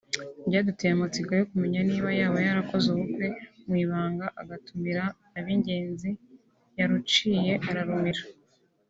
byaduteye amatsiko yo kumenya niba yaba yarakoze ubukwe mu ibanga agatumira ab’ingenzi yaruciye ararumira